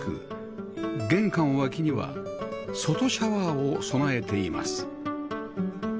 玄関脇には外シャワーを備えています